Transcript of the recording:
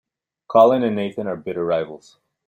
Colin and Nathan are bitter rivals.